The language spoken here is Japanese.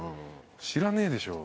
知らねえでしょ。